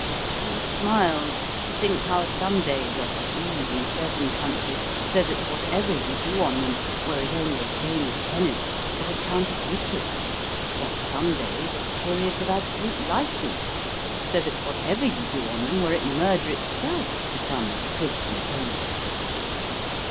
He smiled to think how some days are tabooed in certain countries, so that whatever you do on them, were it only a game of tennis, is accounted wicked; while some days are periods of absolute licence, so that whatever you do on them, were it murder itself, becomes fit and holy.